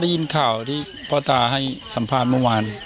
ได้ยินข่าวที่พ่อตาให้สัมภาษณ์เมื่อวาน